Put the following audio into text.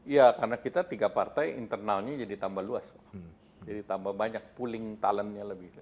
ya karena kita tiga partai internalnya jadi tambah luas jadi tambah banyak pooling talentnya lebih luas